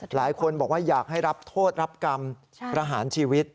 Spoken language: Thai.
หลายคนบอกว่าอยากให้รับโทษรับกรรมประหารชีวิต